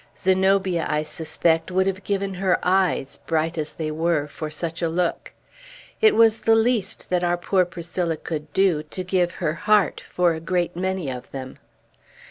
Zenobia, I suspect, would have given her eyes, bright as they were, for such a look; it was the least that our poor Priscilla could do, to give her heart for a great many of them.